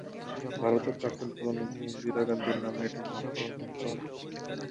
ভারতের প্রাক্তন প্রধানমন্ত্রী ইন্দিরা গান্ধীর নামে এটির নামকরণ করা হয়েছে।